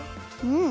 うん。